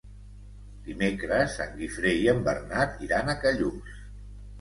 Dimecres en Guifré i en Bernat iran a Callús.